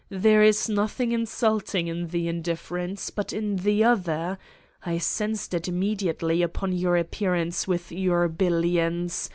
There is noth ing insulting in the indifference, but in the other ... I sensed it immediately upon your appear ance with your billions.